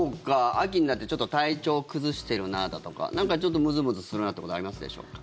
秋になってちょっと体調崩してるなだとかなんか、ちょっとムズムズするなんてことありますでしょうか。